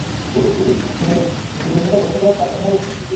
সবাই তাকে ক্লাউন বলে ডাকবে আর তাকে নিয়ে হাসাহাসি করবে।